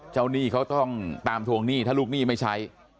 หนี้เขาต้องตามทวงหนี้ถ้าลูกหนี้ไม่ใช้